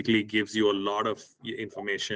yang mengandalkan banyak informasi